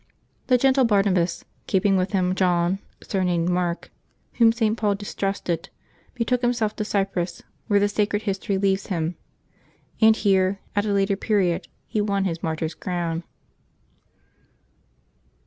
The gentle Barnabas, keeping with him John, surnamed Mark, whom St. Paul distrusted, betook June 12] LIVES OF THE SAINTS 215 himself to Cyprus, where the sacred history leaves him; and here, at a later period, he won his martyr's crown.